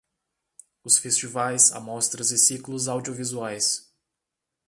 Os festivais, amostras e ciclos audiovisuais.